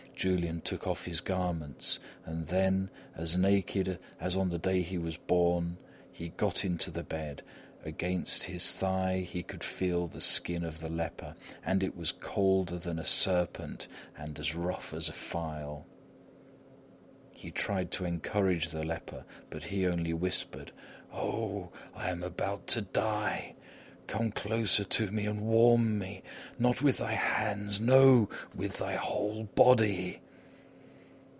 Julian took off his garments; and then, as naked as on the day he was born, he got into the bed; against his thigh he could feel the skin of the leper, and it was colder than a serpent and as rough as a file. He tried to encourage the leper, but he only whispered: "Oh! I am about to die! Come closer to me and warm me! Not with thy hands! No! with thy whole body."